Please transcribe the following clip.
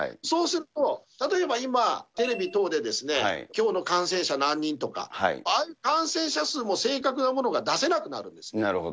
そうすると、例えば今、テレビ等できょうの感染者何人とか、ああいう感染者数も正確なものが出せなくなるんです。